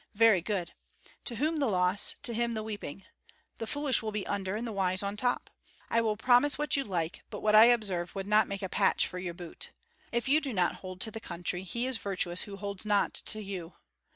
Very good! To whom the loss, to him the weeping! The foolish will be under, and the wise on top. I will promise what you like, but what I observe would not make a patch for your boot. If you do not hold to the country, he is virtuous who holds not to you.